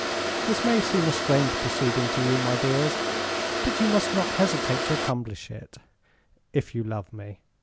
"This may seem a strange proceeding to you, my dears, but you must not hesitate to accomplish it if you love me.